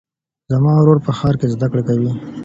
زما ورور په ښار کې زده کړې کوي.